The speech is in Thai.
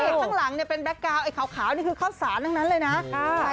นี่ข้างหลังเป็นแบ็คกราวไอ้ขาวนี่คือข้าวสารตั้งนั้นเลยนะ